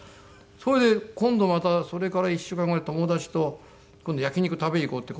それで今度またそれから１週間後に友達と今度焼き肉食べに行こうって。